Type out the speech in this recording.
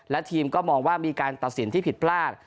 และทีมก็มองว่ามีการตัดสินที่ผิดพลาด